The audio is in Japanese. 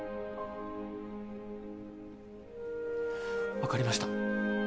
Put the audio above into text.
わかりました